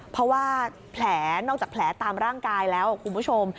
เพราะว่าแผลนอกจากแผลตามร่างกายแล้วคุณผู้ชม